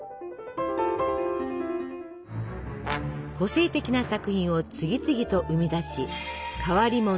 個性的な作品を次々と生み出し「変わり者」